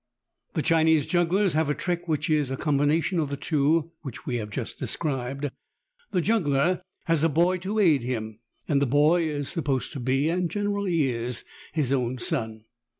The Chinese jugglers have a trick which is a com bination of the two which we have just described. The juggler has a boy to aid him, and the boy is supposed to be (and generally is) his own son.